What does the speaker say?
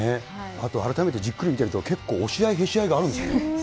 あと、改めてじっくり見てると、結構押し合いへし合いがあるんですね。